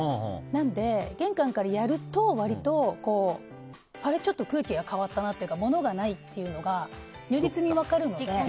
なので玄関からやると割と空気が変わったなというか物がないというのが如実に分かるので。